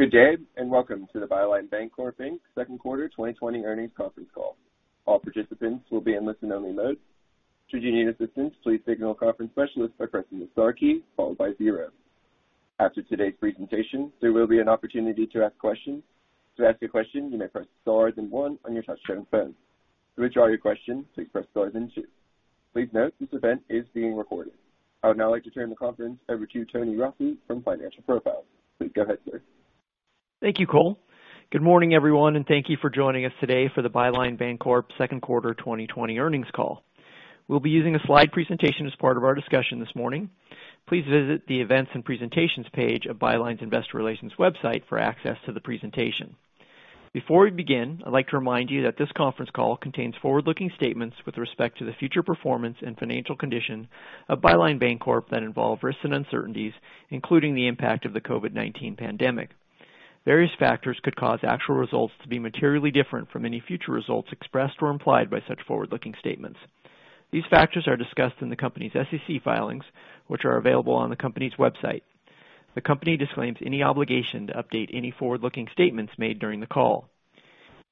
Good day. Welcome to the Byline Bancorp Bank second quarter 2020 earnings conference call. All participants will be in listen only mode. Should you need assistance, please signal conference specialist by pressing the star key followed by zero. After today's presentation, there will be an opportunity to ask questions. To ask a question, you may press star then one on your touch-tone phone. To withdraw your question, please press star then two. Please note this event is being recorded. I would now like to turn the conference over to Tony Rossi from Financial Profiles. Please go ahead, sir. Thank you, Cole. Good morning, everyone, and thank you for joining us today for the Byline Bancorp second quarter 2020 earnings call. We'll be using a slide presentation as part of our discussion this morning. Please visit the Events and Presentations page of Byline's Investor Relations website for access to the presentation. Before we begin, I'd like to remind you that this conference call contains forward-looking statements with respect to the future performance and financial condition of Byline Bancorp that involve risks and uncertainties, including the impact of the COVID-19 pandemic. Various factors could cause actual results to be materially different from any future results expressed or implied by such forward-looking statements. These factors are discussed in the company's SEC filings, which are available on the company's website. The company disclaims any obligation to update any forward-looking statements made during the call.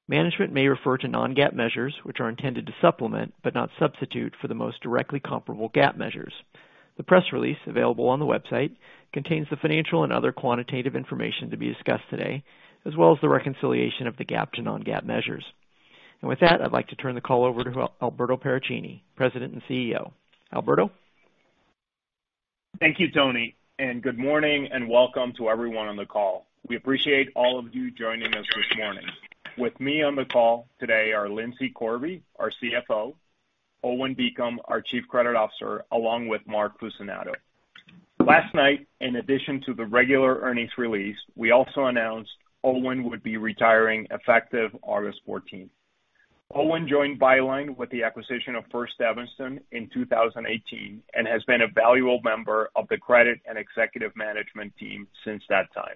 Management may refer to non-GAAP measures, which are intended to supplement, but not substitute, for the most directly comparable GAAP measures. The press release available on the website contains the financial and other quantitative information to be discussed today, as well as the reconciliation of the GAAP to non-GAAP measures. With that, I'd like to turn the call over to Alberto Paracchini, President and CEO. Alberto? Thank you, Tony, and good morning and welcome to everyone on the call. We appreciate all of you joining us this morning. With me on the call today are Lindsay Corby, our CFO, Owen Beacom, our Chief Credit Officer, along with Mark Fucinato. Last night, in addition to the regular earnings release, we also announced Owen would be retiring effective August 14th. Owen joined Byline with the acquisition of First Evanston in 2018 and has been a valuable member of the credit and executive management team since that time.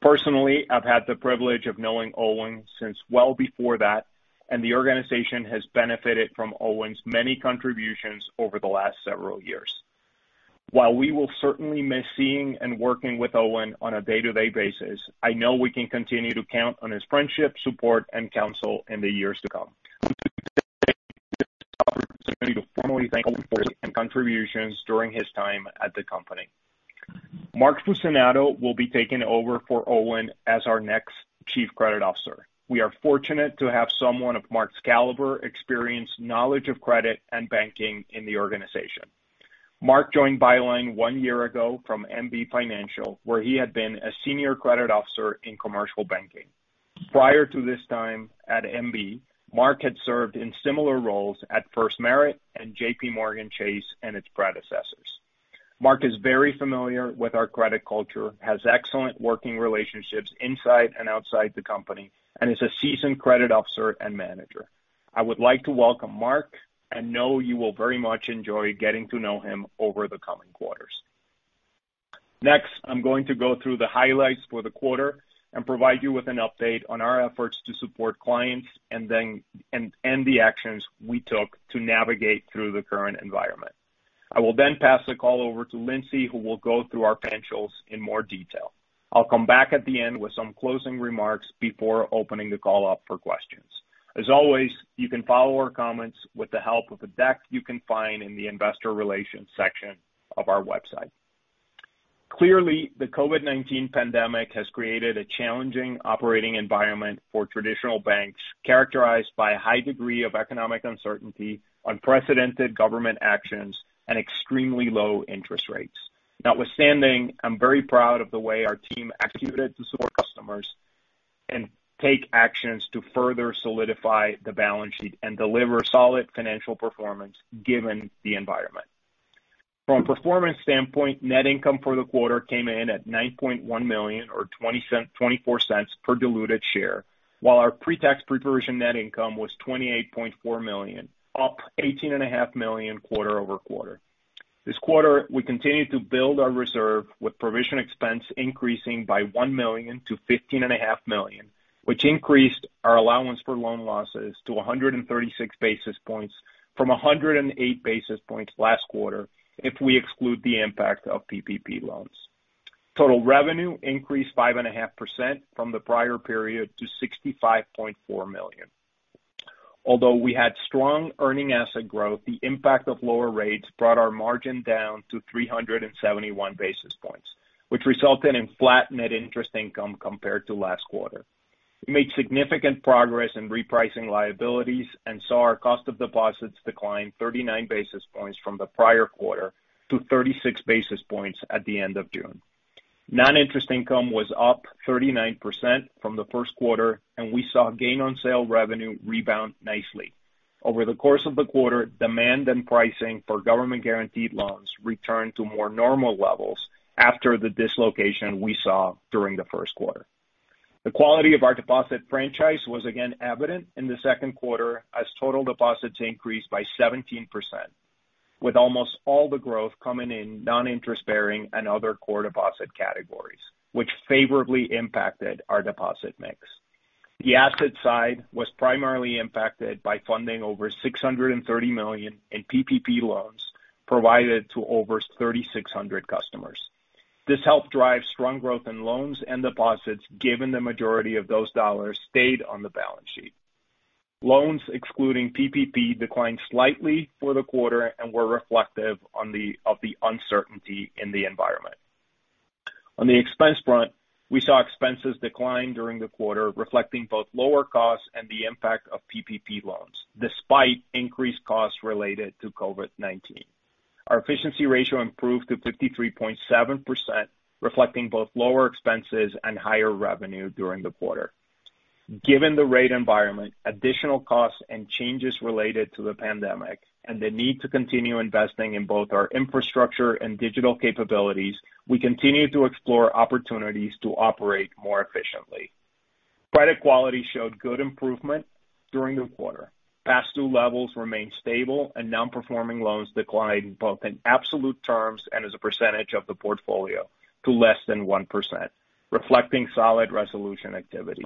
Personally, I've had the privilege of knowing Owen since well before that, and the organization has benefited from Owen's many contributions over the last several years. While we will certainly miss seeing and working with Owen on a day-to-day basis, I know we can continue to count on his friendship, support and counsel in the years to come. This offers an opportunity to formally thank Owen for his contributions during his time at the company. Mark Fucinato will be taking over for Owen as our next Chief Credit Officer. We are fortunate to have someone of Mark's caliber, experience, knowledge of credit and banking in the organization. Mark joined Byline one year ago from MB Financial, where he had been a senior credit officer in commercial banking. Prior to this time at MB, Mark had served in similar roles at FirstMerit and JPMorgan Chase and its predecessors. Mark is very familiar with our credit culture, has excellent working relationships inside and outside the company, and is a seasoned credit officer and manager. I would like to welcome Mark and know you will very much enjoy getting to know him over the coming quarters. Next, I'm going to go through the highlights for the quarter and provide you with an update on our efforts to support clients and the actions we took to navigate through the current environment. I will then pass the call over to Lindsay, who will go through our financials in more detail. I'll come back at the end with some closing remarks before opening the call up for questions. As always, you can follow our comments with the help of the deck you can find in the investor relations section of our website. Clearly, the COVID-19 pandemic has created a challenging operating environment for traditional banks, characterized by a high degree of economic uncertainty, unprecedented government actions, and extremely low interest rates. Notwithstanding, I'm very proud of the way our team executed to support customers and take actions to further solidify the balance sheet and deliver solid financial performance given the environment. From a performance standpoint, net income for the quarter came in at $9.1 million or $0.24 per diluted share, while our pre-tax pre-provision net income was $28.4 million, up $18.5 million quarter-over-quarter. This quarter, we continued to build our reserve with provision expense increasing by $1 million-$15.5 million, which increased our allowance for loan losses to 136 basis points from 108 basis points last quarter if we exclude the impact of PPP loans. Total revenue increased 5.5% from the prior period to $65.4 million. Although we had strong earning asset growth, the impact of lower rates brought our margin down to 371 basis points, which resulted in flat net interest income compared to last quarter. We made significant progress in repricing liabilities and saw our cost of deposits decline 39 basis points from the prior quarter to 36 basis points at the end of June. Non-interest income was up 39% from the first quarter, and we saw gain on sale revenue rebound nicely. Over the course of the quarter, demand and pricing for government guaranteed loans returned to more normal levels after the dislocation we saw during the first quarter. The quality of our deposit franchise was again evident in the second quarter as total deposits increased by 17%, with almost all the growth coming in non-interest-bearing and other core deposit categories. Which favorably impacted our deposit mix. The asset side was primarily impacted by funding over $630 million in PPP loans provided to over 3,600 customers. This helped drive strong growth in loans and deposits, given the majority of those dollars stayed on the balance sheet. Loans excluding PPP declined slightly for the quarter and were reflective of the uncertainty in the environment. On the expense front, we saw expenses decline during the quarter, reflecting both lower costs and the impact of PPP loans, despite increased costs related to COVID-19. Our efficiency ratio improved to 53.7%, reflecting both lower expenses and higher revenue during the quarter. Given the rate environment, additional costs and changes related to the pandemic, and the need to continue investing in both our infrastructure and digital capabilities, we continue to explore opportunities to operate more efficiently. Credit quality showed good improvement during the quarter. Past due levels remained stable and non-performing loans declined both in absolute terms and as a percentage of the portfolio to less than 1%, reflecting solid resolution activity.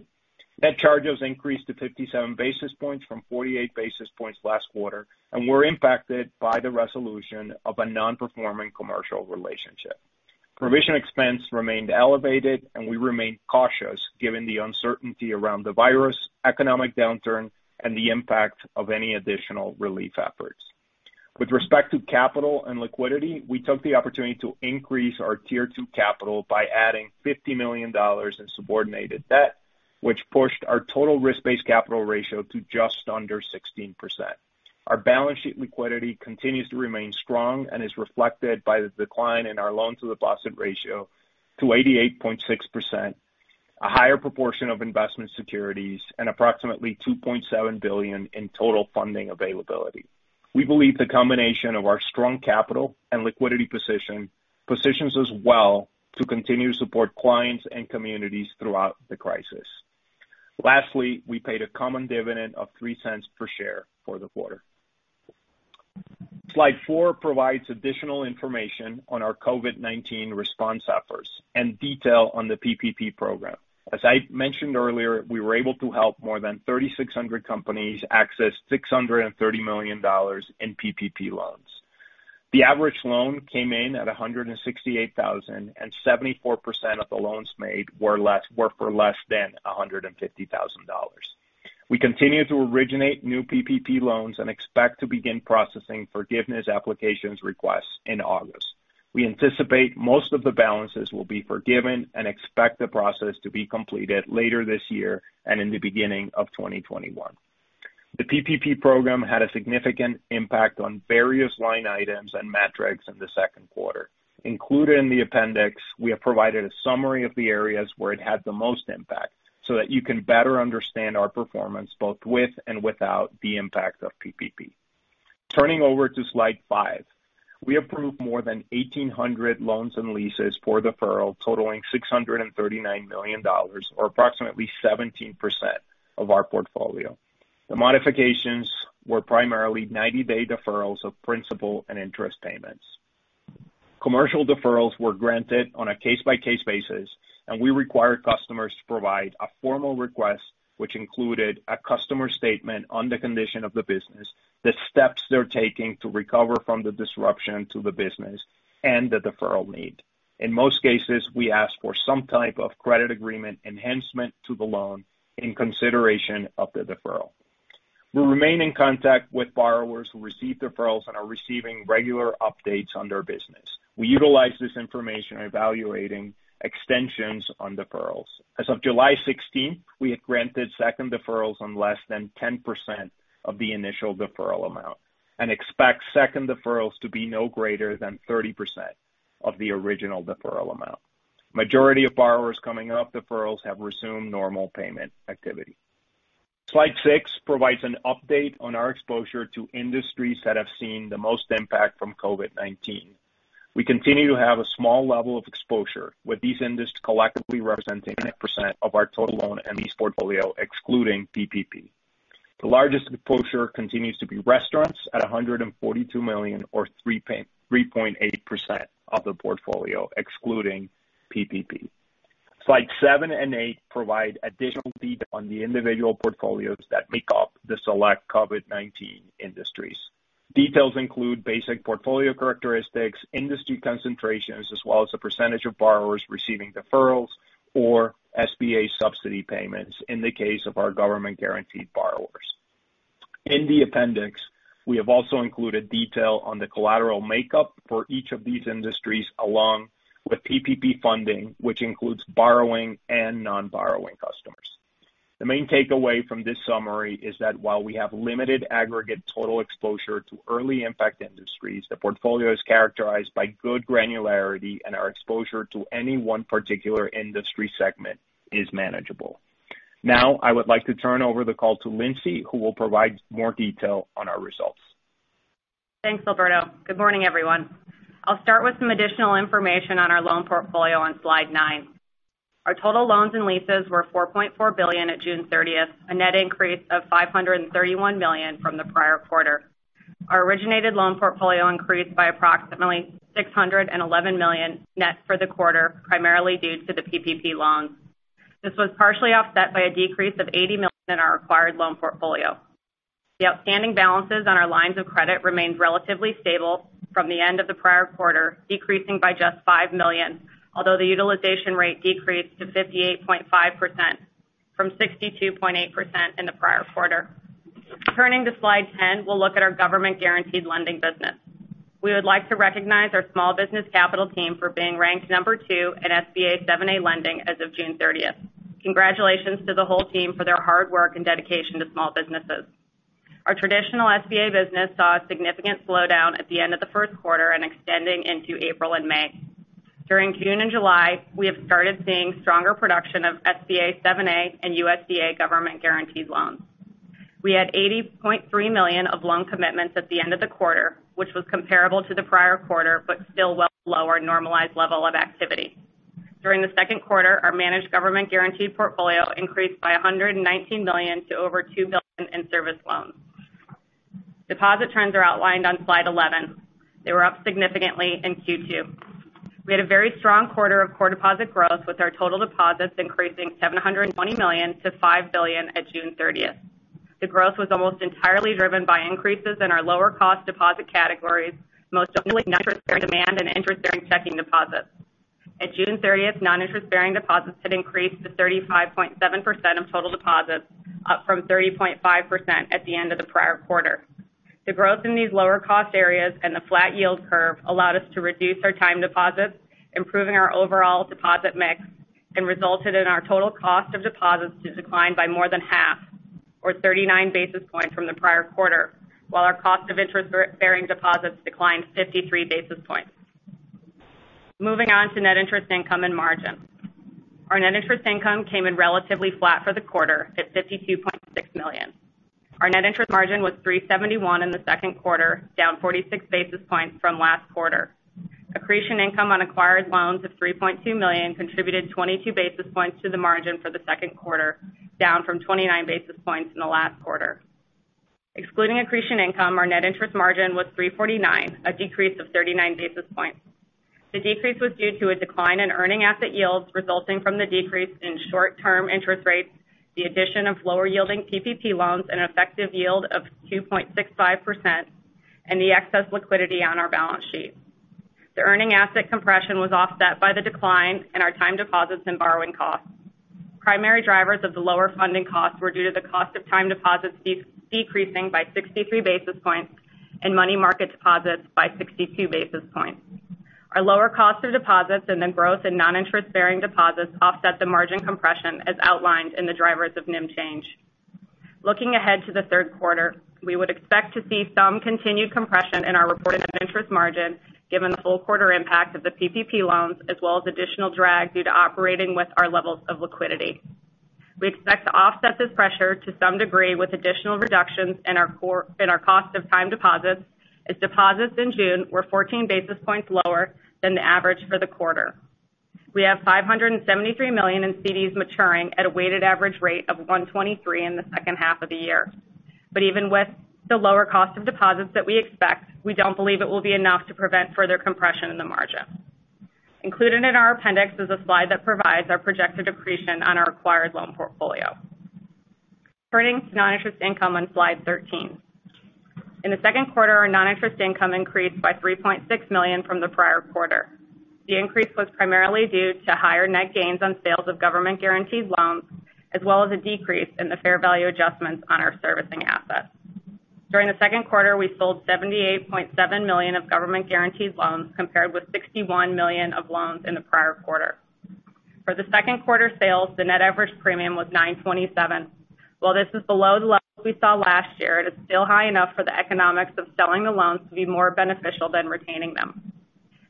Net charges increased to 57 basis points from 48 basis points last quarter and were impacted by the resolution of a non-performing commercial relationship. Provision expense remained elevated and we remain cautious given the uncertainty around the virus, economic downturn, and the impact of any additional relief efforts. With respect to capital and liquidity, we took the opportunity to increase our Tier 2 capital by adding $50 million in subordinated debt, which pushed our total risk-based capital ratio to just under 16%. Our balance sheet liquidity continues to remain strong and is reflected by the decline in our loan to deposit ratio to 88.6%, a higher proportion of investment securities, and approximately $2.7 billion in total funding availability. We believe the combination of our strong capital and liquidity positions us well to continue to support clients and communities throughout the crisis. Lastly, we paid a common dividend of $0.03 per share for the quarter. Slide four provides additional information on our COVID-19 response efforts and detail on the PPP program. As I mentioned earlier, we were able to help more than 3,600 companies access $630 million in PPP loans. The average loan came in at $168,000, and 74% of the loans made were for less than $150,000. We continue to originate new PPP loans and expect to begin processing forgiveness applications requests in August. We anticipate most of the balances will be forgiven and expect the process to be completed later this year and in the beginning of 2021. The PPP program had a significant impact on various line items and metrics in the second quarter. Included in the appendix, we have provided a summary of the areas where it had the most impact so that you can better understand our performance both with and without the impact of PPP. Turning over to slide five. We approved more than 1,800 loans and leases for deferral totaling $639 million or approximately 17% of our portfolio. The modifications were primarily 90-day deferrals of principal and interest payments. Commercial deferrals were granted on a case-by-case basis, and we required customers to provide a formal request which included a customer statement on the condition of the business, the steps they're taking to recover from the disruption to the business, and the deferral need. In most cases, we ask for some type of credit agreement enhancement to the loan in consideration of the deferral. We remain in contact with borrowers who receive deferrals and are receiving regular updates on their business. We utilize this information in evaluating extensions on deferrals. As of July 16th, we had granted second deferrals on less than 10% of the initial deferral amount and expect second deferrals to be no greater than 30% of the original deferral amount. Majority of borrowers coming off deferrals have resumed normal payment activity. Slide six provides an update on our exposure to industries that have seen the most impact from COVID-19. We continue to have a small level of exposure, with these industries collectively representing 9% of our total loan and lease portfolio, excluding PPP. The largest exposure continues to be restaurants at $142 million or 3.8% of the portfolio, excluding PPP. Slide seven and eight provide additional detail on the individual portfolios that make up the select COVID-19 industries. Details include basic portfolio characteristics, industry concentrations, as well as the percentage of borrowers receiving deferrals or SBA subsidy payments in the case of our government-guaranteed borrowers. In the appendix, we have also included detail on the collateral makeup for each of these industries along with PPP funding, which includes borrowing and non-borrowing customers. The main takeaway from this summary is that while we have limited aggregate total exposure to early impact industries, the portfolio is characterized by good granularity and our exposure to any one particular industry segment is manageable. Now, I would like to turn over the call to Lindsay, who will provide more detail on our results. Thanks, Alberto. Good morning, everyone. I'll start with some additional information on our loan portfolio on slide nine. Our total loans and leases were $4.4 billion at June 30th, a net increase of $531 million from the prior quarter. Our originated loan portfolio increased by approximately $611 million net for the quarter, primarily due to the PPP loans. This was partially offset by a decrease of $80 million in our acquired loan portfolio. The outstanding balances on our lines of credit remained relatively stable from the end of the prior quarter, decreasing by just $5 million, although the utilization rate decreased to 58.5% from 62.8% in the prior quarter. Turning to slide 10, we'll look at our government-guaranteed lending business. We would like to recognize our Small Business Capital team for being ranked number two in SBA 7(a) lending as of June 30th. Congratulations to the whole team for their hard work and dedication to small businesses. Our traditional SBA business saw a significant slowdown at the end of the first quarter and extending into April and May. During June and July, we have started seeing stronger production of SBA 7 and USDA government-guaranteed loans. We had $80.3 million of loan commitments at the end of the quarter, which was comparable to the prior quarter, but still well below our normalized level of activity. During the second quarter, our managed government guaranteed portfolio increased by $119 million to over $2 billion in serviced loans. Deposit trends are outlined on slide 11. They were up significantly in Q2. We had a very strong quarter of core deposit growth, with our total deposits increasing $720 million-$5 billion at June 30th. The growth was almost entirely driven by increases in our lower cost deposit categories, most notably non-interest bearing demand and interest-bearing checking deposits. At June 30th, non-interest-bearing deposits had increased to 35.7% of total deposits, up from 30.5% at the end of the prior quarter. The growth in these lower cost areas and the flat yield curve allowed us to reduce our time deposits, improving our overall deposit mix, and resulted in our total cost of deposits to decline by more than half, or 39 basis points from the prior quarter, while our cost of interest-bearing deposits declined 53 basis points. Moving on to net interest income and margin. Our net interest income came in relatively flat for the quarter at $52.6 million. Our net interest margin was 371 in the second quarter, down 46 basis points from last quarter. Accretion income on acquired loans of $3.2 million contributed 22 basis points to the margin for the second quarter, down from 29 basis points in the last quarter. Excluding accretion income, our net interest margin was 349, a decrease of 39 basis points. The decrease was due to a decline in earning asset yields resulting from the decrease in short-term interest rates, the addition of lower yielding PPP loans, an effective yield of 2.65%, and the excess liquidity on our balance sheet. The earning asset compression was offset by the decline in our time deposits and borrowing costs. Primary drivers of the lower funding costs were due to the cost of time deposits decreasing by 63 basis points and money market deposits by 62 basis points. Our lower cost of deposits and the growth in non-interest-bearing deposits offset the margin compression as outlined in the drivers of NIM change. Looking ahead to the third quarter, we would expect to see some continued compression in our reported net interest margin given the full quarter impact of the PPP loans, as well as additional drag due to operating with our levels of liquidity. We expect to offset this pressure to some degree with additional reductions in our cost of time deposits, as deposits in June were 14 basis points lower than the average for the quarter. We have $573 million in CDs maturing at a weighted average rate of 123 in the second half of the year. Even with the lower cost of deposits that we expect, we don't believe it will be enough to prevent further compression in the margin. Included in our appendix is a slide that provides our projected accretion on our acquired loan portfolio. Turning to non-interest income on slide 13. In the second quarter, our non-interest income increased by $3.6 million from the prior quarter. The increase was primarily due to higher net gains on sales of government-guaranteed loans, as well as a decrease in the fair value adjustments on our servicing assets. During the second quarter, we sold $78.7 million of government-guaranteed loans, compared with $61 million of loans in the prior quarter. For the second quarter sales, the net average premium was 927. While this is below the levels we saw last year, it is still high enough for the economics of selling the loans to be more beneficial than retaining them.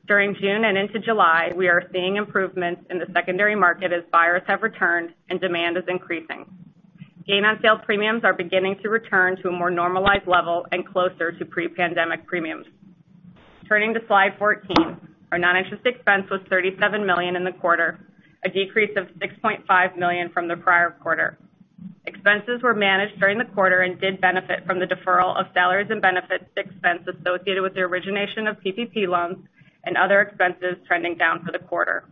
During June and into July, we are seeing improvements in the secondary market as buyers have returned and demand is increasing. Gain-on-sale premiums are beginning to return to a more normalized level and closer to pre-pandemic premiums. Turning to slide 14. Our non-interest expense was $37 million in the quarter, a decrease of $6.5 million from the prior quarter. Expenses were managed during the quarter and did benefit from the deferral of salaries and benefits expense associated with the origination of PPP loans and other expenses trending down for the quarter.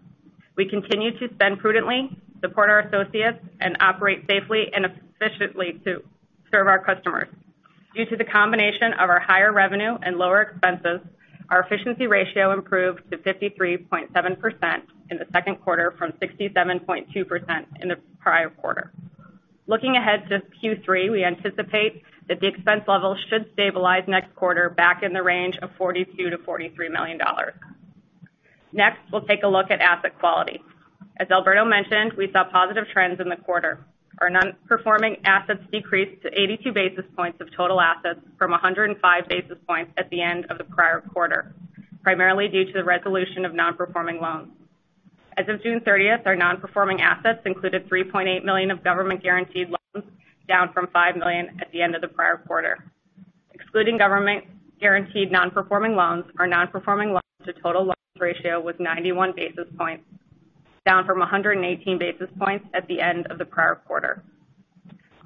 We continue to spend prudently, support our associates, and operate safely and efficiently to serve our customers. Due to the combination of our higher revenue and lower expenses, our efficiency ratio improved to 53.7% in the second quarter from 67.2% in the prior quarter. Looking ahead to Q3, we anticipate that the expense level should stabilize next quarter back in the range of $42 million-$43 million. Next, we'll take a look at asset quality. As Alberto mentioned, we saw positive trends in the quarter. Our non-performing assets decreased to 82 basis points of total assets from 105 basis points at the end of the prior quarter, primarily due to the resolution of non-performing loans. As of June 30th, our non-performing assets included $3.8 million of government-guaranteed loans, down from $5 million at the end of the prior quarter. Excluding government-guaranteed non-performing loans, our non-performing loans to total loans ratio was 91 basis points. Down from 118 basis points at the end of the prior quarter.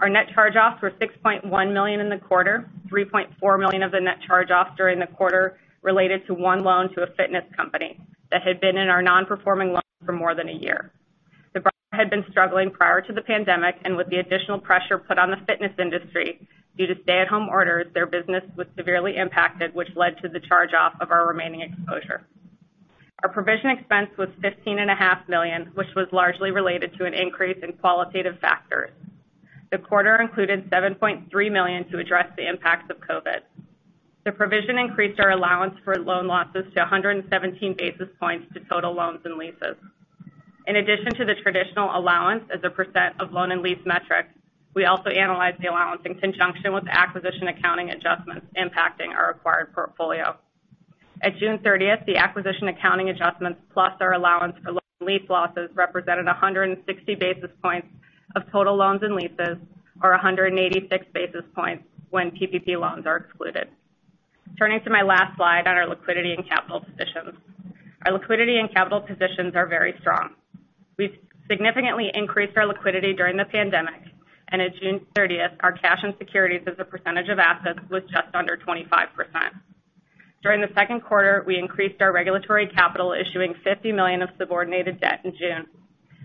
Our net charge-offs were $6.1 million in the quarter, $3.4 million of the net charge-offs during the quarter related to one loan to a fitness company that had been in our non-performing loan for more than a year. The borrower had been struggling prior to the pandemic, and with the additional pressure put on the fitness industry due to stay-at-home orders, their business was severely impacted, which led to the charge-off of our remaining exposure. Our provision expense was $15.5 million, which was largely related to an increase in qualitative factors. The quarter included $7.3 million to address the impacts of COVID-19. The provision increased our allowance for loan losses to 117 basis points to total loans and leases. In addition to the traditional allowance as a percent of loan and lease metrics, we also analyzed the allowance in conjunction with the acquisition accounting adjustments impacting our acquired portfolio. At June 30th, the acquisition accounting adjustments, plus our allowance for loan and lease losses, represented 160 basis points of total loans and leases or 186 basis points when PPP loans are excluded. Turning to my last slide on our liquidity and capital positions. Our liquidity and capital positions are very strong. We've significantly increased our liquidity during the pandemic, and as of June 30th, our cash and securities as a percentage of assets was just under 25%. During the second quarter, we increased our regulatory capital, issuing $50 million of subordinated debt in June.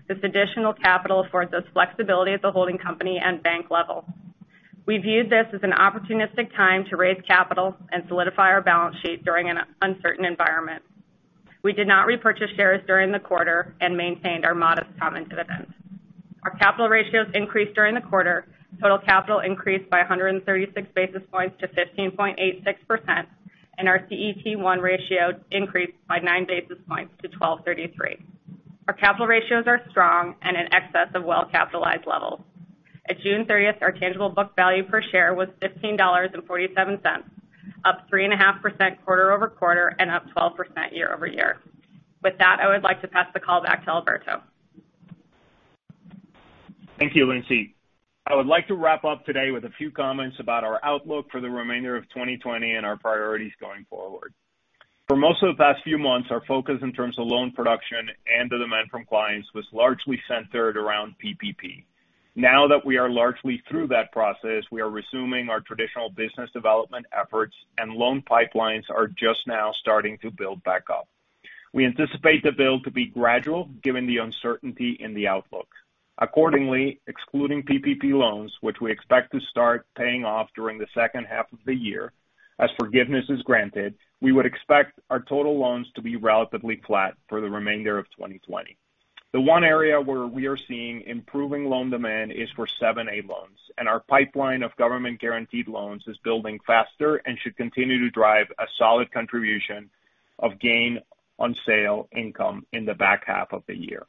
This additional capital affords us flexibility at the holding company and bank level. We viewed this as an opportunistic time to raise capital and solidify our balance sheet during an uncertain environment. We did not repurchase shares during the quarter and maintained our modest common dividends. Our capital ratios increased during the quarter. Total capital increased by 136 basis points to 15.86%, and our CET1 ratio increased by nine basis points to 12.33%. Our capital ratios are strong and in excess of well-capitalized levels. At June 30th, our tangible book value per share was $15.47, up 3.5% quarter-over-quarter and up 12% year-over-year. With that, I would like to pass the call back to Alberto. Thank you, Lindsay. I would like to wrap up today with a few comments about our outlook for the remainder of 2020 and our priorities going forward. For most of the past few months, our focus in terms of loan production and the demand from clients was largely centered around PPP. Now that we are largely through that process, we are resuming our traditional business development efforts and loan pipelines are just now starting to build back up. We anticipate the build to be gradual, given the uncertainty in the outlook. Accordingly, excluding PPP loans, which we expect to start paying off during the second half of the year as forgiveness is granted, we would expect our total loans to be relatively flat for the remainder of 2020. The one area where we are seeing improving loan demand is for 7A loans, and our pipeline of government-guaranteed loans is building faster and should continue to drive a solid contribution of gain on sale income in the back half of the year.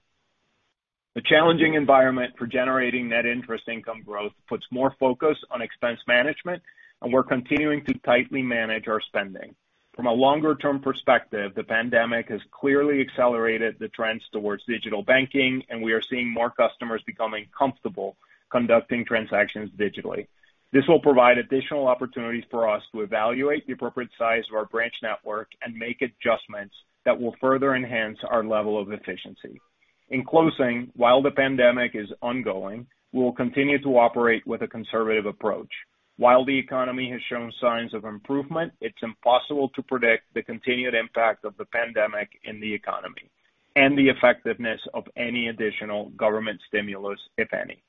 The challenging environment for generating net interest income growth puts more focus on expense management, and we're continuing to tightly manage our spending. From a longer-term perspective, the pandemic has clearly accelerated the trends towards digital banking, and we are seeing more customers becoming comfortable conducting transactions digitally. This will provide additional opportunities for us to evaluate the appropriate size of our branch network and make adjustments that will further enhance our level of efficiency. In closing, while the pandemic is ongoing, we will continue to operate with a conservative approach. While the economy has shown signs of improvement, it's impossible to predict the continued impact of the pandemic in the economy and the effectiveness of any additional government stimulus, if any.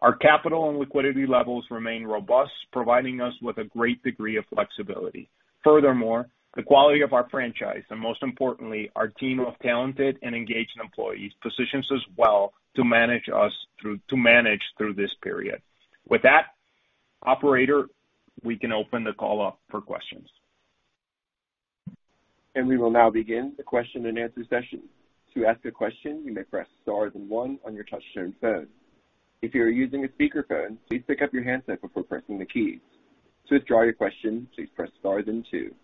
Our capital and liquidity levels remain robust, providing us with a great degree of flexibility. Furthermore, the quality of our franchise, and most importantly, our team of talented and engaged employees, positions us well to manage through this period. With that, operator, we can open the call up for questions. We will now begin the question and answer session. To ask a question, you may press star then one on your touch-tone phone. If you are using a speakerphone, please pick up your handset before pressing the keys. To withdraw your question, please press star then two.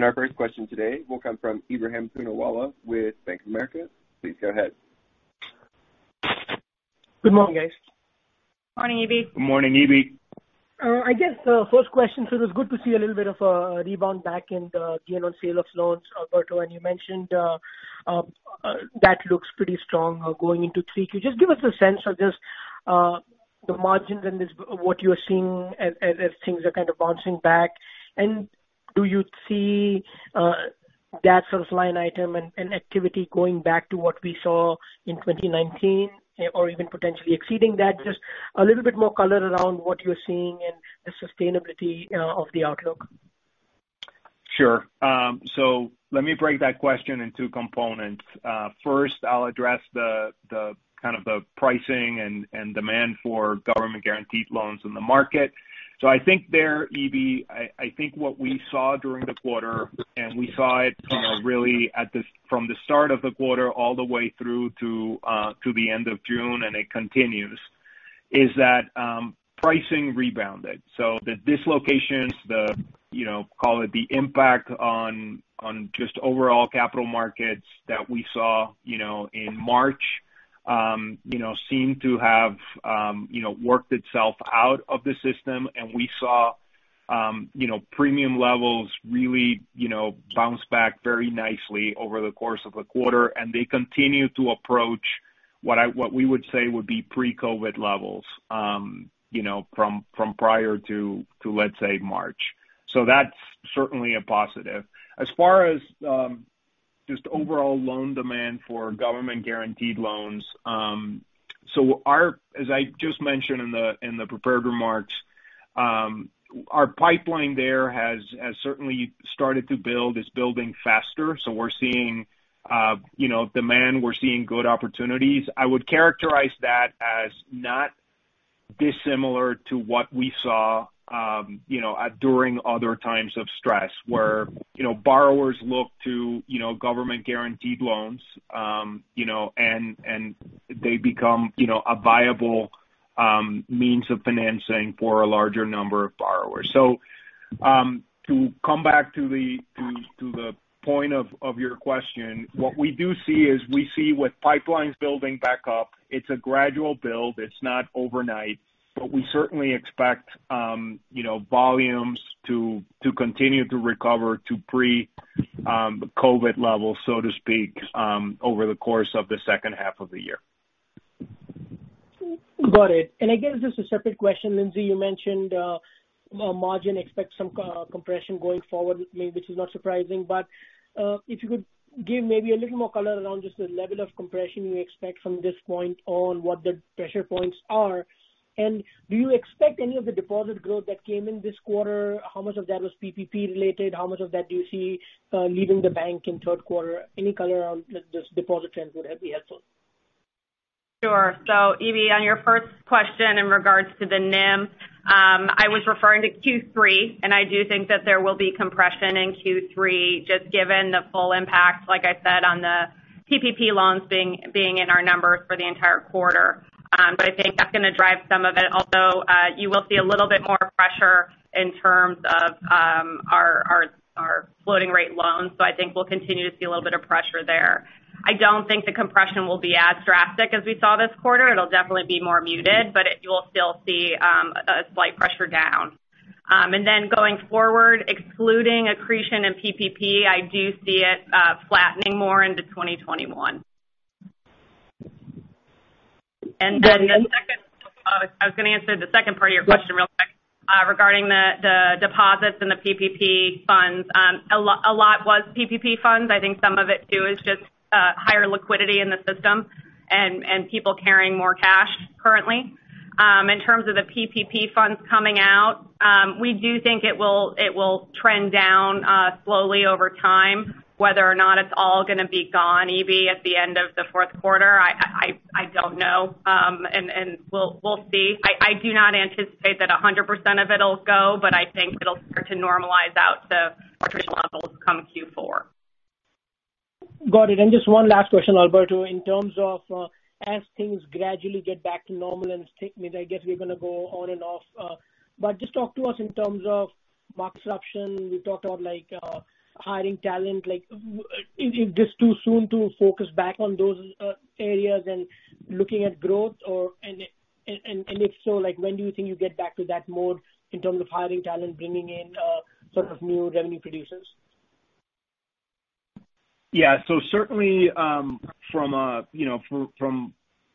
Our first question today will come from Ebrahim Poonawala with Bank of America. Please go ahead. Good morning, guys. Morning, Ebi. Good morning, Ebi. I guess the first question, it was good to see a little bit of a rebound back in the gain on sale of loans, Alberto, you mentioned that looks pretty strong going into 3Q. Just give us a sense of just the margins and what you're seeing as things are kind of bouncing back. Do you see that sort of line item and activity going back to what we saw in 2019 or even potentially exceeding that? Just a little bit more color around what you're seeing and the sustainability of the outlook. Sure. Let me break that question in two components. First, I'll address the pricing and demand for government-guaranteed loans in the market. I think there, Ebi, I think what we saw during the quarter, and we saw it really from the start of the quarter all the way through to the end of June and it continues, is that pricing rebounded. The dislocations, call it the impact on just overall capital markets that we saw in March. Seem to have worked itself out of the system, and we saw premium levels really bounce back very nicely over the course of the quarter, and they continue to approach what we would say would be pre-COVID levels from prior to, let's say, March. That's certainly a positive. As far as just overall loan demand for government-guaranteed loans. As I just mentioned in the prepared remarks, our pipeline there has certainly started to build. It's building faster. We're seeing demand, we're seeing good opportunities. I would characterize that as not dissimilar to what we saw during other times of stress, where borrowers look to government-guaranteed loans, and they become a viable means of financing for a larger number of borrowers. To come back to the point of your question, what we do see is we see with pipelines building back up, it's a gradual build. It's not overnight. We certainly expect volumes to continue to recover to pre-COVID levels, so to speak, over the course of the second half of the year. Got it. I guess just a separate question, Lindsay, you mentioned margin expects some compression going forward, which is not surprising, but if you could give maybe a little more color around just the level of compression you expect from this point on, what the pressure points are. Do you expect any of the deposit growth that came in this quarter, how much of that was PPP related? How much of that do you see leaving the bank in third quarter? Any color around just deposit trends would help me out too. Sure. Ebi, on your first question in regards to the NIM, I was referring to Q3, and I do think that there will be compression in Q3, just given the full impact, like I said, on the PPP loans being in our numbers for the entire quarter. I think that's going to drive some of it, although you will see a little bit more pressure in terms of our floating rate loans. I think we'll continue to see a little bit of pressure there. I don't think the compression will be as drastic as we saw this quarter. It'll definitely be more muted, but you'll still see a slight pressure down. Going forward, excluding accretion and PPP, I do see it flattening more into 2021. I was going to answer the second part of your question real quick regarding the deposits and the PPP funds. A lot was PPP funds. I think some of it too is just higher liquidity in the system and people carrying more cash currently. In terms of the PPP funds coming out, we do think it will trend down slowly over time. Whether or not it's all going to be gone, Ebi, at the end of the fourth quarter, I don't know. We'll see. I do not anticipate that 100% of it'll go, but I think it'll start to normalize out to attrition levels come Q4. Got it. Just one last question, Alberto, in terms of as things gradually get back to normal and it's taking me, I guess we're going to go on and off. Just talk to us in terms of market disruption. You talked about hiring talent. Is this too soon to focus back on those areas and looking at growth? If so, when do you think you get back to that mode in terms of hiring talent, bringing in sort of new revenue producers? Yeah. Certainly from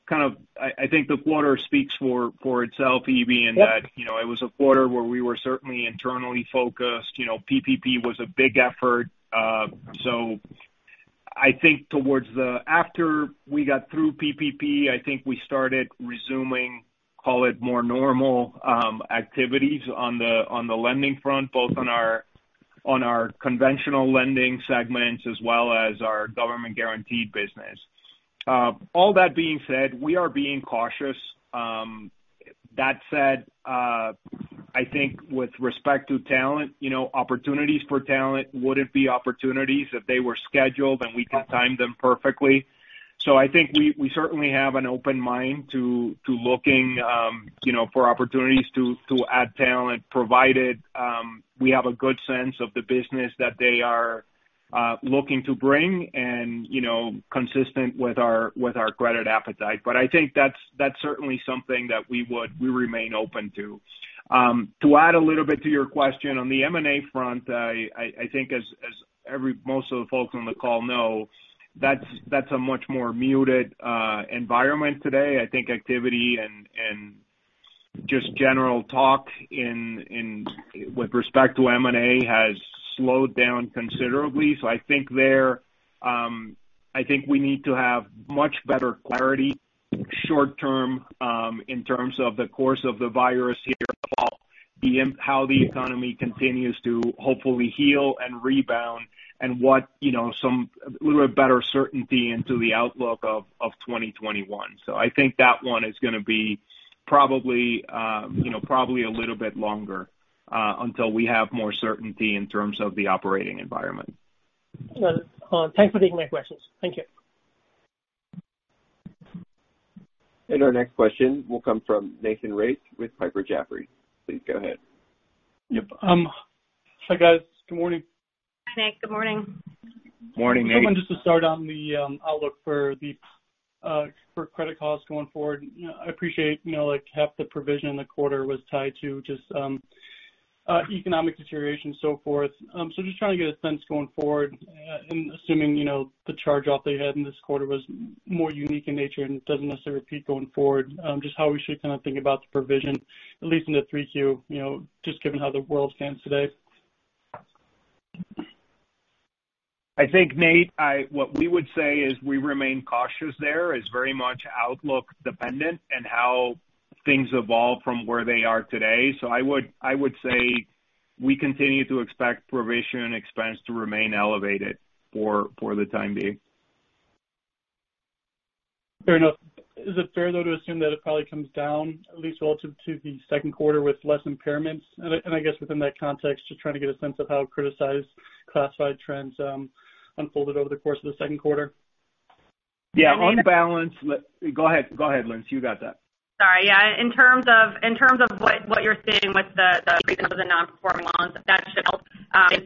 I think the quarter speaks for itself, Ebi, in that it was a quarter where we were certainly internally focused. PPP was a big effort. I think towards the after we got through PPP, I think we started resuming, call it more normal activities on the lending front, both on our conventional lending segments as well as our government-guaranteed business. All that being said, we are being cautious. That said, I think with respect to talent, opportunities for talent wouldn't be opportunities if they were scheduled, and we could time them perfectly. I think we certainly have an open mind to looking for opportunities to add talent, provided we have a good sense of the business that they are looking to bring and consistent with our credit appetite. I think that's certainly something that we remain open to. To add a little bit to your question on the M&A front, I think as most of the folks on the call know, that's a much more muted environment today. I think activity and just general talk with respect to M&A has slowed down considerably. I think we need to have much better clarity short term in terms of the course of the virus here, how the economy continues to hopefully heal and rebound and what a little bit better certainty into the outlook of 2021. I think that one is going to be probably a little bit longer until we have more certainty in terms of the operating environment. Got it. Thanks for taking my questions. Thank you. Our next question will come from Nathan Race with Piper Sandler. Please go ahead. Yep. Hi guys. Good morning. Hi Nate. Good morning. Morning, Nate. I wanted just to start on the outlook for credit costs going forward. I appreciate, half the provision in the quarter was tied to just economic deterioration and so forth. Just trying to get a sense going forward, and assuming the charge-off they had in this quarter was more unique in nature and doesn't necessarily repeat going forward. Just how we should kind of think about the provision, at least into 3Q, just given how the world stands today. I think, Nate, what we would say is we remain cautious there. It's very much outlook dependent and how things evolve from where they are today. I would say we continue to expect provision expense to remain elevated for the time being. Fair enough. Is it fair though to assume that it probably comes down at least relative to the second quarter with less impairments? I guess within that context, just trying to get a sense of how criticized classified trends unfolded over the course of the second quarter. Yeah. Go ahead, Lindsay. You got that. Sorry. Yeah. In terms of what you're seeing with the frequency of the non-performing loans, that should help.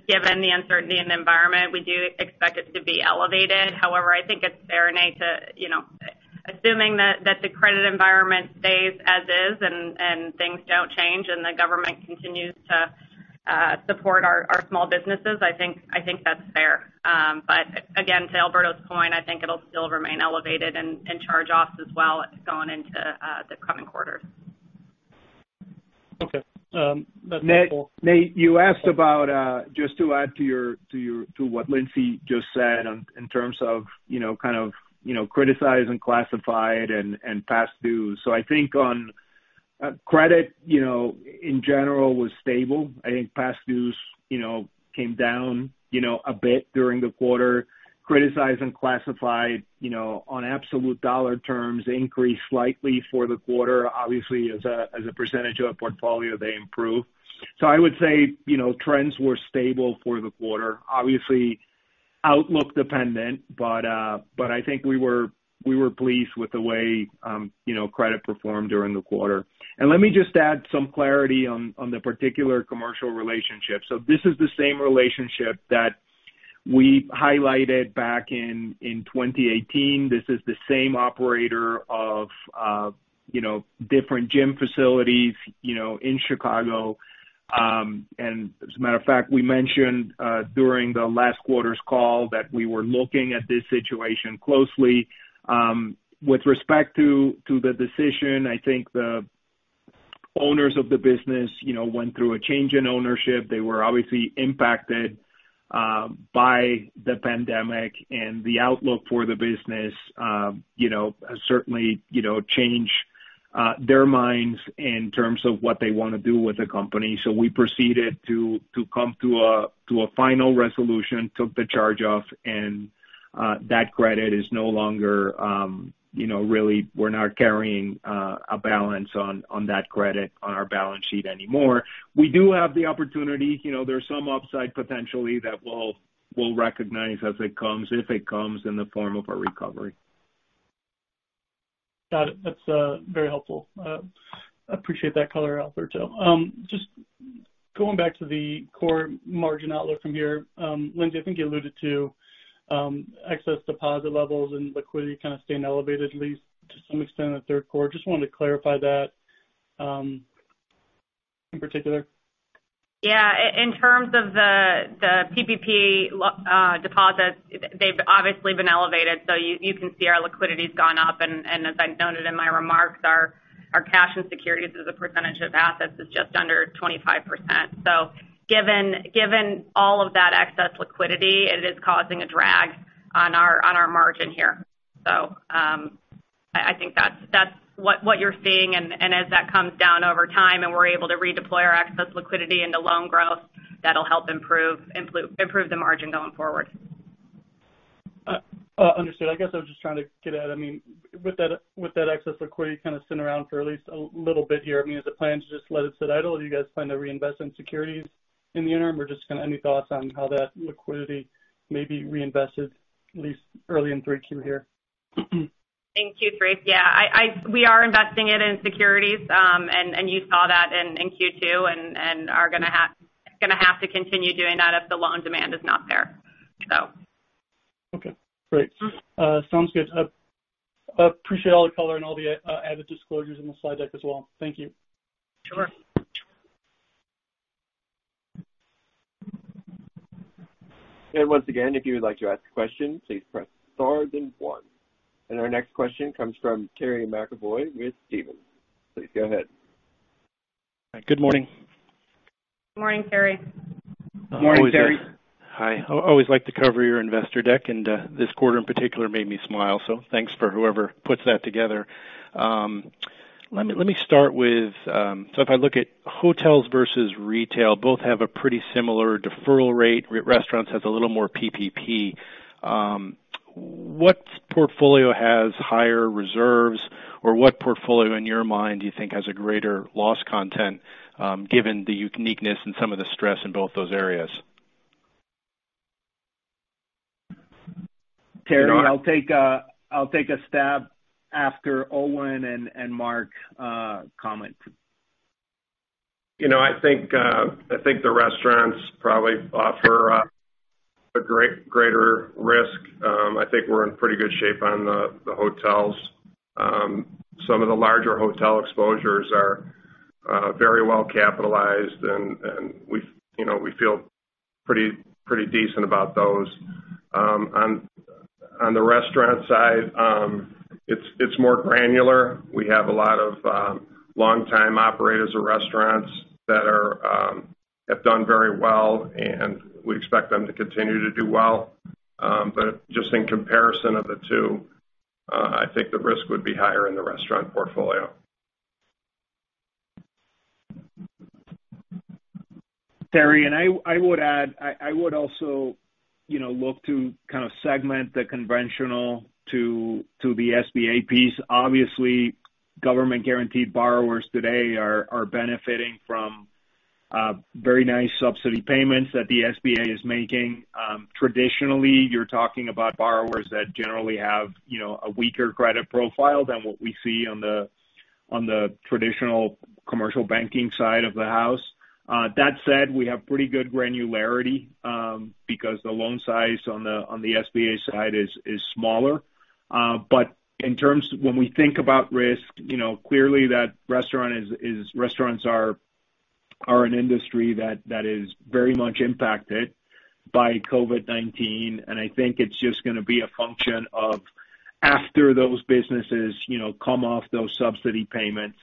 Given the uncertainty in the environment, we do expect it to be elevated. I think it's fair, Nate, assuming that the credit environment stays as is and things don't change and the government continues to support our small businesses, I think that's fair. Again, to Alberto's point, I think it'll still remain elevated and charge off as well going into the coming quarters. Okay. That's helpful. Nate, you asked about-- just to add to what Lindsay just said in terms of kind of criticized and classified and past dues. I think on credit, in general, was stable. I think past dues came down a bit during the quarter. Criticized and classified on absolute dollar terms increased slightly for the quarter. Obviously as a percentage of portfolio, they improved. I would say trends were stable for the quarter. Obviously outlook dependent, but I think we were pleased with the way credit performed during the quarter. Let me just add some clarity on the particular commercial relationship. This is the same relationship that we highlighted back in 2018. This is the same operator of different gym facilities in Chicago. As a matter of fact, we mentioned during the last quarter's call that we were looking at this situation closely. With respect to the decision, I think the owners of the business went through a change in ownership. They were obviously impacted by the pandemic and the outlook for the business certainly changed their minds in terms of what they want to do with the company. We proceeded to come to a final resolution, took the charge off, and that credit is really we're not carrying a balance on that credit on our balance sheet anymore. We do have the opportunity. There's some upside potentially that we'll recognize as it comes, if it comes in the form of a recovery. Got it. That's very helpful. I appreciate that color, Alberto. Just going back to the core margin outlook from here. Lindsay, I think you alluded to excess deposit levels and liquidity kind of staying elevated, at least to some extent in the third quarter. Just wanted to clarify that in particular. Yeah. In terms of the PPP deposits, they've obviously been elevated. You can see our liquidity's gone up, and as I noted in my remarks our cash and securities as a percentage of assets is just under 25%. Given all of that excess liquidity, it is causing a drag on our margin here. I think that's what you're seeing and as that comes down over time and we're able to redeploy our excess liquidity into loan growth, that'll help improve the margin going forward. Understood. I guess I was just trying to get at, with that excess liquidity kind of sitting around for at least a little bit here. Is the plan to just let it sit idle? Do you guys plan to reinvest in securities in the interim? Just kind of any thoughts on how that liquidity may be reinvested at least early in 3Q here. In Q3, yeah. We are investing it in securities. You saw that in Q2 and are going to have to continue doing that if the loan demand is not there. Okay, great. Sounds good. Appreciate all the color and all the added disclosures in the slide deck as well. Thank you. Sure. Once again, if you would like to ask a question, please press star then one. Our next question comes from Terry McEvoy with Stephens. Please go ahead. Good morning. Morning, Terry. Morning, Terry. Hi. Always like to cover your investor deck, and this quarter in particular made me smile. Thanks for whoever puts that together. If I look at hotels versus retail, both have a pretty similar deferral rate. Restaurants has a little more PPP. What portfolio has higher reserves, or what portfolio in your mind do you think has a greater loss content given the uniqueness and some of the stress in both those areas? Terry, I'll take a stab after Owen and Mark comment. I think the restaurants probably offer a greater risk. I think we're in pretty good shape on the hotels. Some of the larger hotel exposures are very well capitalized, and we feel pretty decent about those. On the restaurant side, it's more granular. We have a lot of long-time operators of restaurants that have done very well, and we expect them to continue to do well. Just in comparison of the two, I think the risk would be higher in the restaurant portfolio. Terry, I would add, I would also look to kind of segment the conventional to the SBA piece. Obviously, government-guaranteed borrowers today are benefiting from very nice subsidy payments that the SBA is making. Traditionally, you're talking about borrowers that generally have a weaker credit profile than what we see on the traditional commercial banking side of the house. That said, we have pretty good granularity because the loan size on the SBA side is smaller. When we think about risk, clearly that restaurants are an industry that is very much impacted by COVID-19. I think it's just going to be a function of after those businesses come off those subsidy payments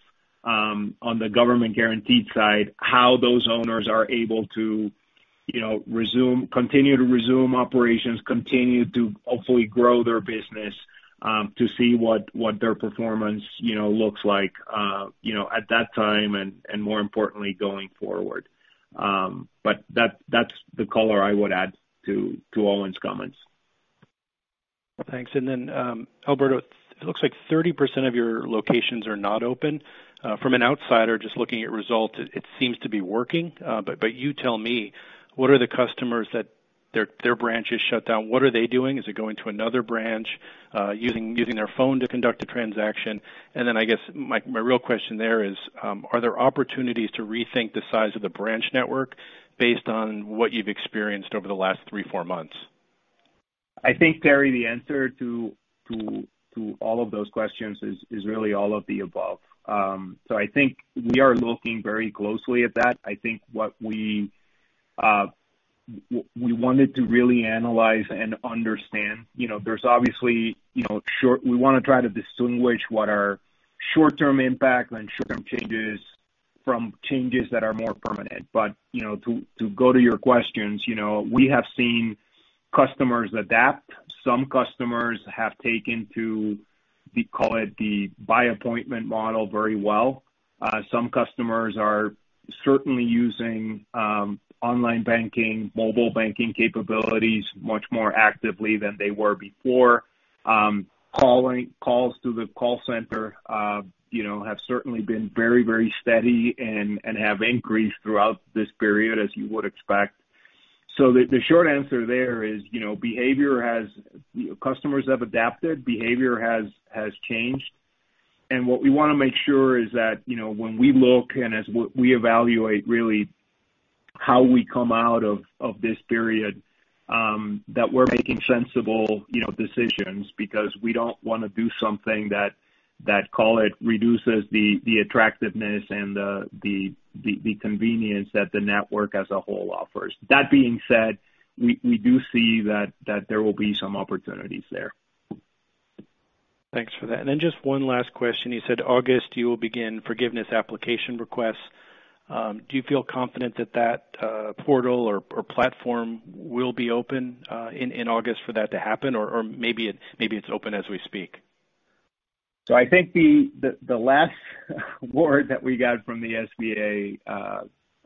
on the government guaranteed side, how those owners are able to continue to resume operations, continue to hopefully grow their business, to see what their performance looks like at that time and more importantly, going forward. But that's the color I would add to Owen's comments. Thanks. Alberto, it looks like 30% of your locations are not open. From an outsider just looking at results, it seems to be working. You tell me, what are the customers that their branch is shut down, what are they doing? Is it going to another branch using their phone to conduct a transaction? I guess my real question there is are there opportunities to rethink the size of the branch network based on what you've experienced over the last three, four months? I think, Terry, the answer to all of those questions is really all of the above. I think we are looking very closely at that. I think what we wanted to really analyze and understand, we want to try to distinguish what are short-term impact and short-term changes from changes that are more permanent. To go to your questions, we have seen customers adapt. Some customers have taken to, we call it the by appointment model very well. Some customers are certainly using online banking, mobile banking capabilities much more actively than they were before. Calls to the call center have certainly been very steady and have increased throughout this period, as you would expect. The short answer there is customers have adapted, behavior has changed. What we want to make sure is that when we look and as we evaluate really how we come out of this period that we're making sensible decisions because we don't want to do something that, call it, reduces the attractiveness and the convenience that the network as a whole offers. That being said, we do see that there will be some opportunities there. Thanks for that. Just one last question. You said August you will begin forgiveness application requests. Do you feel confident that that portal or platform will be open in August for that to happen? Or maybe it's open as we speak. I think the last word that we got from the SBA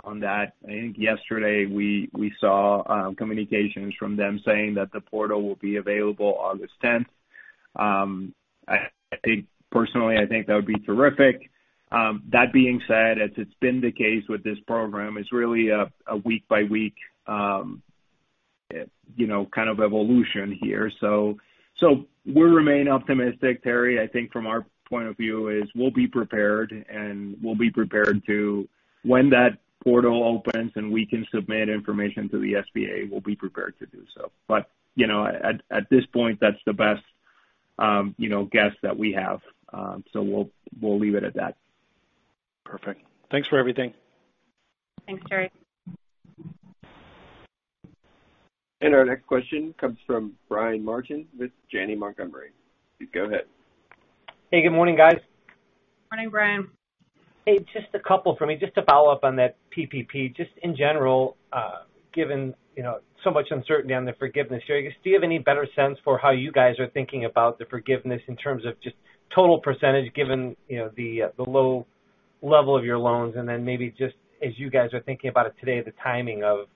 on that, I think yesterday we saw communications from them saying that the portal will be available August 10th. Personally, I think that would be terrific. That being said, as it's been the case with this program, it's really a week by week evolution here. We remain optimistic, Terry. I think from our point of view is we'll be prepared and we'll be prepared to when that portal opens and we can submit information to the SBA, we'll be prepared to do so. At this point, that's the best guess that we have. We'll leave it at that. Perfect. Thanks for everything. Thanks, Terry. Our next question comes from Brian Martin with Janney Montgomery. Go ahead. Hey, good morning, guys. Morning, Brian. Hey, just a couple for me. Just to follow up on that PPP, just in general given so much uncertainty on the forgiveness. Do you have any better sense for how you guys are thinking about the forgiveness in terms of just total percentage given the low level of your loans and then maybe just as you guys are thinking about it today, the timing of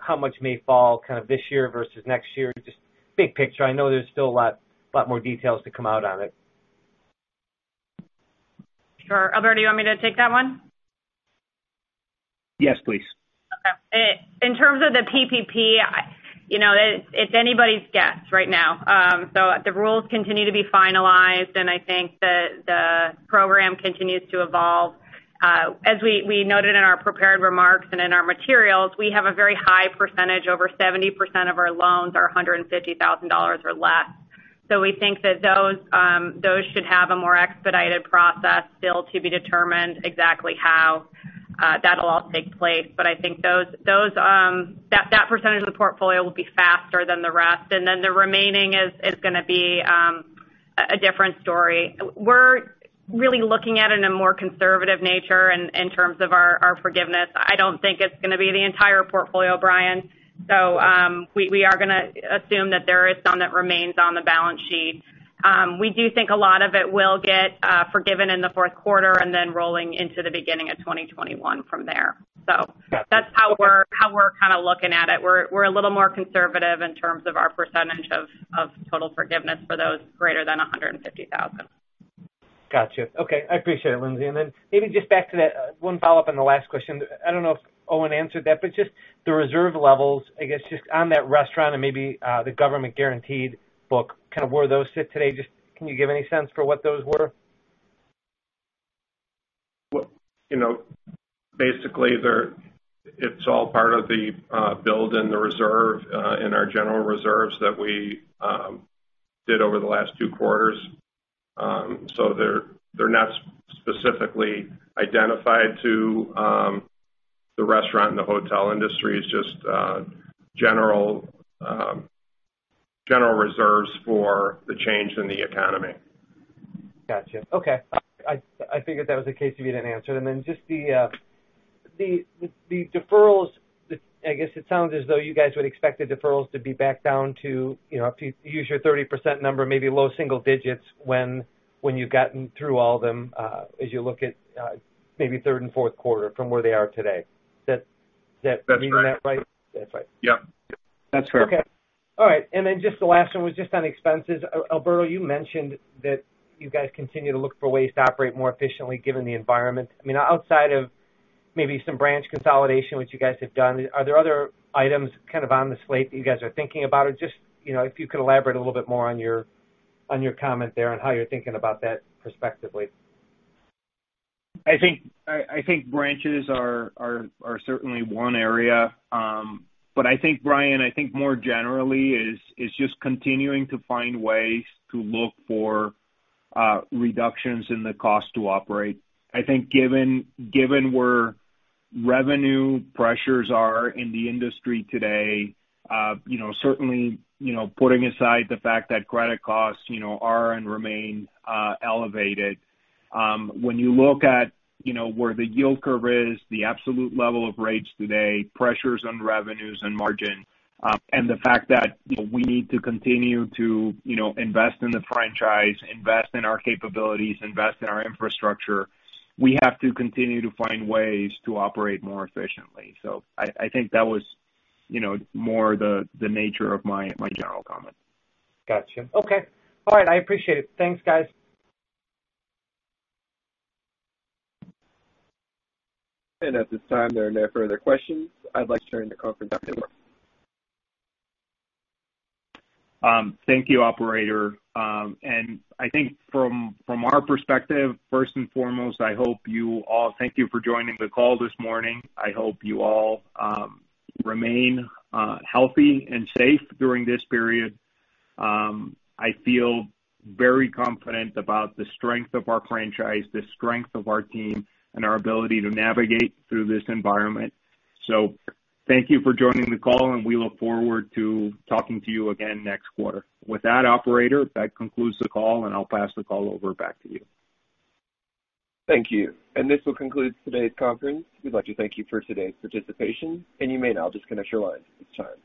how much may fall kind of this year versus next year? Just big picture. I know there's still a lot more details to come out on it. Sure. Alberto, do you want me to take that one? Yes, please. In terms of the PPP, it's anybody's guess right now. The rules continue to be finalized, and I think the program continues to evolve. As we noted in our prepared remarks and in our materials, we have a very high percentage, over 70% of our loans are $150,000 or less. We think that those should have a more expedited process, still to be determined exactly how that'll all take place. I think that percentage of the portfolio will be faster than the rest, the remaining is going to be a different story. We're really looking at in a more conservative nature in terms of our forgiveness. I don't think it's going to be the entire portfolio, Brian. We are going to assume that there is some that remains on the balance sheet. We do think a lot of it will get forgiven in the fourth quarter, and then rolling into the beginning of 2021 from there. That's how we're kind of looking at it. We're a little more conservative in terms of our percentage of total forgiveness for those greater than 150,000. Got you. Okay. I appreciate it, Lindsay. Then maybe just back to that one follow-up on the last question. I don't know if Owen answered that, but just the reserve levels, I guess, just on that restaurant and maybe the government guaranteed book, kind of where those sit today, just can you give any sense for what those were? Well, basically, it's all part of the build in the reserve, in our general reserves that we did over the last two quarters. They're not specifically identified to the restaurant and the hotel industries, just general reserves for the change in the economy. Got you. Okay. I figured that was the case if you didn't answer. Just the deferrals, I guess it sounds as though you guys would expect the deferrals to be back down to, if you use your 30% number, maybe low single digits when you've gotten through all them as you look at maybe third and fourth quarter from where they are today. Am I reading that right? That's right. Yep. That's fair. Okay. All right. Then just the last one was just on expenses. Alberto, you mentioned that you guys continue to look for ways to operate more efficiently given the environment. I mean outside of maybe some branch consolidation, which you guys have done, are there other items kind of on the slate that you guys are thinking about? Or just if you could elaborate a little bit more on your comment there and how you're thinking about that perspectively. I think branches are certainly one area. I think, Brian, I think more generally is just continuing to find ways to look for reductions in the cost to operate. I think given where revenue pressures are in the industry today, certainly putting aside the fact that credit costs are and remain elevated. When you look at where the yield curve is, the absolute level of rates today, pressures on revenues and margin, and the fact that we need to continue to invest in the franchise, invest in our capabilities, invest in our infrastructure. We have to continue to find ways to operate more efficiently. I think that was more the nature of my general comment. Got you. Okay. All right. I appreciate it. Thanks, guys. At this time, there are no further questions. I'd like to turn the conference back over. Thank you, operator. I think from our perspective, first and foremost, thank you for joining the call this morning. I hope you all remain healthy and safe during this period. I feel very confident about the strength of our franchise, the strength of our team, and our ability to navigate through this environment. Thank you for joining the call, and we look forward to talking to you again next quarter. With that, operator, that concludes the call, and I'll pass the call over back to you. Thank you. This will conclude today's conference. We'd like to thank you for today's participation. You may now disconnect your lines at this time.